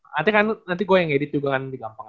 nanti kan nanti gue yang edit juga kan di gampang